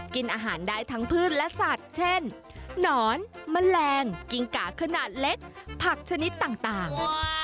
กินอาหารได้ทั้งพืชและสัตว์เช่นหนอนแมลงกิ้งกาขนาดเล็กผักชนิดต่าง